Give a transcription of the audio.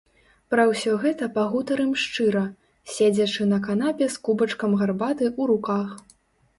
Пра ўсё гэта пагутарым шчыра, седзячы на канапе з кубачкам гарбаты ў руках.